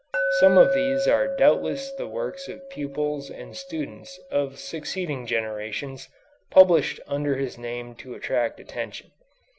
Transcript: Some of these are doubtless the works of pupils and students of succeeding generations, published under his name to attract attention.